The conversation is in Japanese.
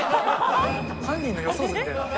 犯人の予想図みたいな。